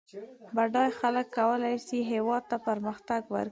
بډای خلک کولای سي هېواد ته پرمختګ ورکړي